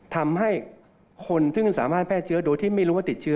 ทำให้คนซึ่งสามารถแพร่เชื้อโดยที่ไม่รู้ว่าติดเชื้อ